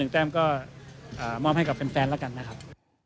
แต้มก็มอบให้กับแฟนแล้วกันนะครับ